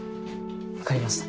分かりました。